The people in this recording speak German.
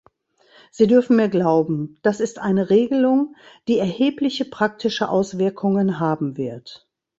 Sie dürfen mir glauben, das ist eine Regelung, die erhebliche praktische Auswirkungen haben wird.